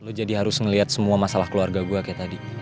lo jadi harus ngeliat semua masalah keluarga gue kayak tadi